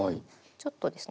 ちょっとですね